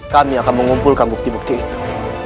kami akan mengumpulkan bukti bukti itu